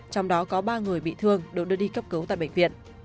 trong đó có ba người bị thương được đưa đi cấp cứu tại bệnh viện